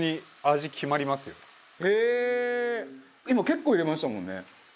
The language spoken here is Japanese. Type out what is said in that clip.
今結構入れましたもんね。